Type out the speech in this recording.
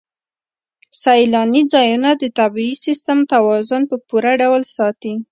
سیلاني ځایونه د طبعي سیسټم توازن په پوره ډول ساتي.